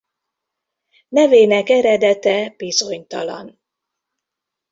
Nevének eredete bizonytalan.